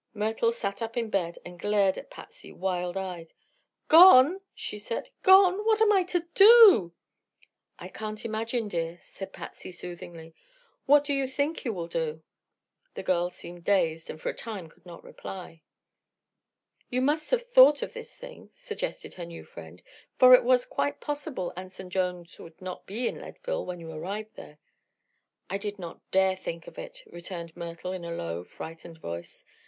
Myrtle sat up in bed and glared at Patsy wild eyed. "Gone!" she said. "Gone! Then what am I to do?" "I can't imagine, dear," said Patsy, soothingly. "What do you think you will do?" The girl seemed dazed and for a time could not reply. "You must have thought of this thing," suggested her new friend, "for it was quite possible Anson Jones would not be in Leadville when you arrived there." "I did not dare think of it," returned Myrtle in a low, frightened tone.